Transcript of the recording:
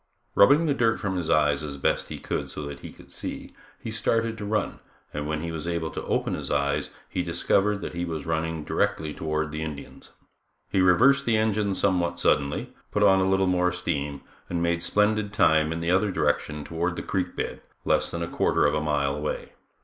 Rubbing the dirt from his eyes as best he could so that he could see, he started to run and when he was able to open his eyes he discovered that he was running directly toward the Indians. He reversed the engines somewhat suddenly, put on a little more steam, and made splendid time in the other direction toward the creek bed, less than a quarter of a mile away.